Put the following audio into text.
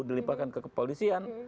dilimahkan ke kepolisian